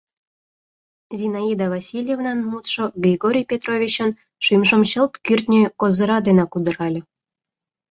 Зинаида Васильевнан мутшо Григорий Петровичын шӱмжым чылт кӱртньӧ козыра денак удырале.